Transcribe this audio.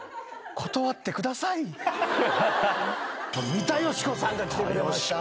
三田佳子さんが来てくれました。